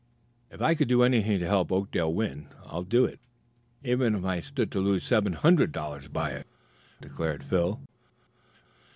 "If I could do anything to help Oakdale win, I'd do it, even if I stood to lose seven hundred dollars by it," declared Phil.